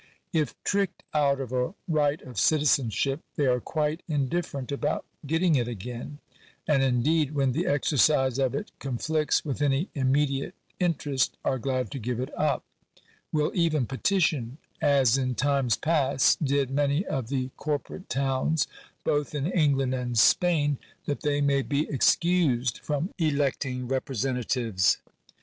If tricked out of a right of citizenship, they are quite indiffer ent about getting it again ; and indeed when the exercise of it conflicts with any immediate interest are glad to give it up, — will even petition, as in times past did many of the corporate towns, both in England and Spain, that they may be excused from electing representatives.